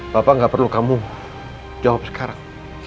bapak nggak perlu kamu jawab sekarang